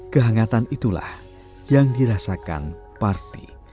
kehangatan itulah yang dirasakan parti